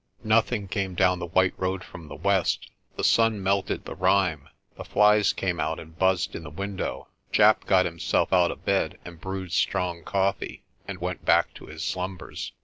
Nothing came down the white road from the west. The sun melted the rime; the flies came out and buzzed in the window; Japp got himself out of bed, and brewed strong coffee, and went back to his slumbers.